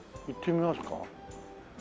行ってみますか。